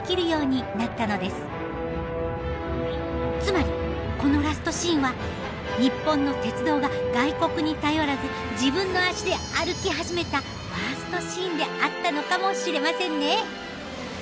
つまりこのラストシーンは日本の鉄道が外国に頼らず自分の足で歩き始めたファーストシーンであったのかもしれませんね。